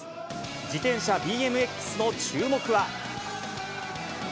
自転車、ＢＭＸの注目は。